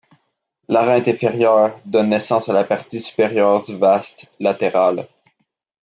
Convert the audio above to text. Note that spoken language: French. L'arête inférieure donne naissance à la partie supérieure du vaste latéral.